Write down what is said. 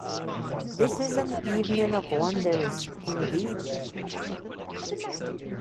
This is an evening of wonders, indeed!